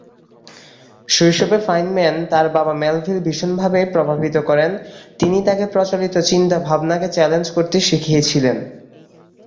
শৈশবে ফাইনম্যান তার বাবা মেলভিল ভীষণভাবে প্রভাবিত করেন, তিনিই তাকে প্রচলিত চিন্তা-ভাবনাকে চ্যালেঞ্জ করতে শিখিয়েছিলেন।